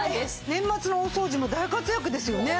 年末の大掃除も大活躍ですよね。